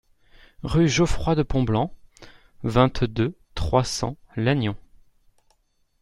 Rue Geoffroy de Pontblanc, vingt-deux, trois cents Lannion